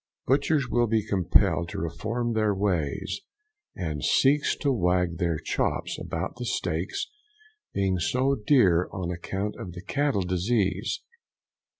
Butchers will be compelled to reform their ways, and cease to wag their chops about the steaks being so dear on account of the cattle disease.